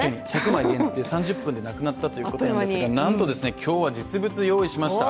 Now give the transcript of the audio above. １００枚限定、３０分でなくなったということなんですがなんと今日は実物を用意しました。